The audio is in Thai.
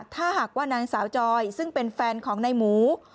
ถ้าหากว่านางสาวจอยซึ่งเป็นแฟนของนายหมู